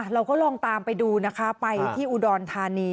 เราก็ลองตามไปดูนะคะไปที่อุดรธานี